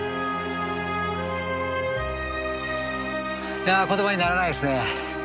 いや言葉にならないですね。